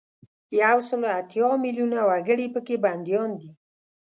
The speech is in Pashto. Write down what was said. یو سل او اتیا میلونه وګړي په کې بندیان دي.